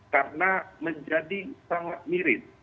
karena menjadi sangat miris